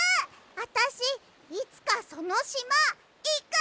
あたしいつかそのしまいく！